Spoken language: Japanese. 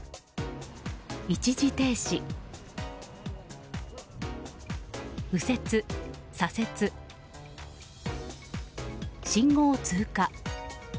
一時停止右折、左折信号通過